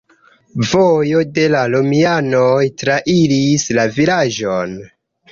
Vojo de la romianoj trairis la vilaĝon.